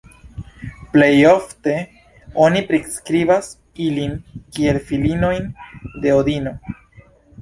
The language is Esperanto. Plejofte oni priskribas ilin kiel filinojn de Odino.